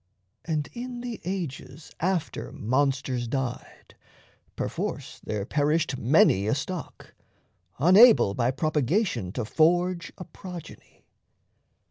And in the ages after monsters died, Perforce there perished many a stock, unable By propagation to forge a progeny.